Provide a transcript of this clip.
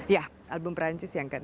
ya album perancis yang ke enam